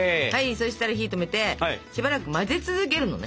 そしたら火止めてしばらく混ぜ続けるのね。